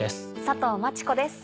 佐藤真知子です。